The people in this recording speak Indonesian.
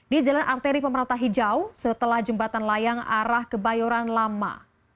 di jalan arteri pemerintah hijau setelah jembatan layang arah ke bayoran lama